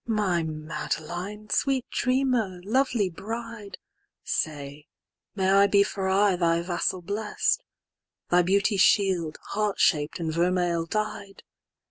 XXXVIII."My Madeline! sweet dreamer! lovely bride!"Say, may I be for aye thy vassal blest?"Thy beauty's shield, heart shap'd and vermeil dyed?